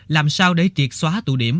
làm sao để triệt xóa tụ điểm